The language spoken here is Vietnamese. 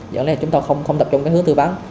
dẫn đến là chúng ta không tập trung cái hướng thư vắng